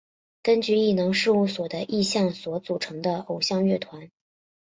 根据艺能事务所的意向所组成的偶像乐团。